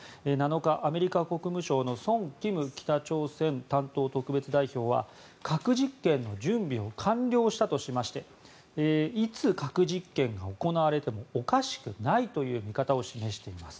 ７日、アメリカ国務省のソン・キム北朝鮮担当特別代表は核実験の準備を完了したとしましていつ核実験が行われてもおかしくないという見方を示しています。